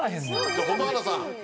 じゃあ蛍原さん。